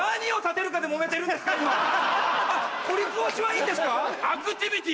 取り壊しはいいんですか？